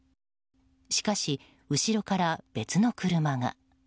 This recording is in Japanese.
しかし、後ろから別の車が。